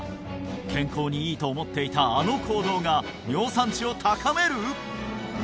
健康にいいと思っていたあの行動が尿酸値を高める！？